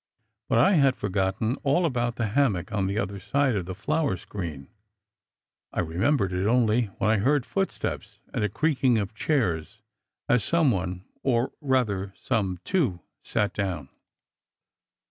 But I had forgotten all about the hammock on the other side of the flower screen. I remembered it only when I heard foot steps, and a creaking of chairs as some one or rather some two sat down.